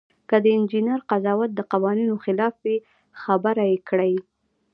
که د انجینر قضاوت د قوانینو خلاف وي خبره یې کړئ.